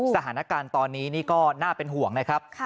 สถานการณ์ตอนนี้นี่ก็น่าเป็นห่วงนะครับ